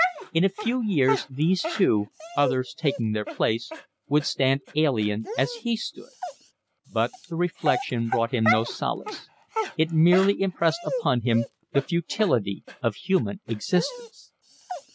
In a few years these too, others taking their place, would stand alien as he stood; but the reflection brought him no solace; it merely impressed upon him the futility of human existence.